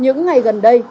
những ngày gần đây